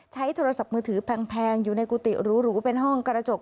ใช้โทรศัพท์มือถือแพงอยู่ในกุฏิหรูเป็นห้องกระจก